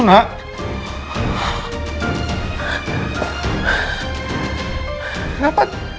kenapa elsem begitu nak